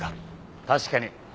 確かに。